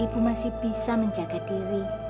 ibu masih bisa menjaga diri